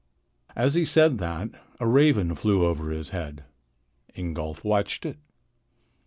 As he said that, a raven flew over his head. Ingolf watched it.